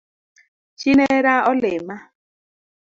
Chi nera olima